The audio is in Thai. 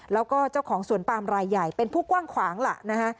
แล้วก็เจ้าของสวนปามรายใหญ่เป็นผู้กว้างขวางล่ะนะคะ